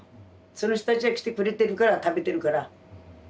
その人たちが来てくれてるから食べてるから。